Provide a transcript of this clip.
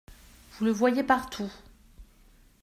Vous le voyez partout…